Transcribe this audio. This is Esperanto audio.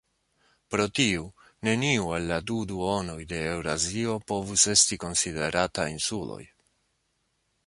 Pro tiu neniu el la du duonoj de Eŭrazio povus esti konsiderata insuloj.